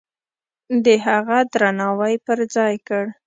د هغه درناوی پرځای کړ.